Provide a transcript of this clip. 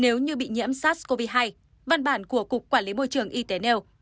nếu như bị nhiễm sars cov hai văn bản của cục quản lý môi trường y tế nêu